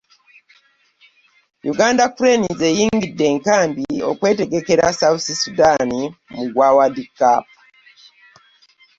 Uganda cranes eyingidde enkambi okwetegekera south Sudan mu gwa World cup.